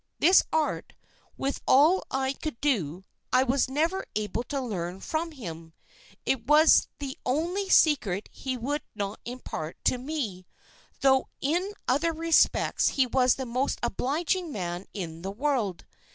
This art, with all I could do, I was never able to learn from him; it was the only secret he would not impart to me; though in other respects he was the most obliging man in the world.